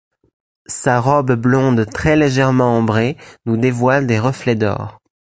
Sa robe blonde très légèrement ambrée nous dévoile des reflets d’or.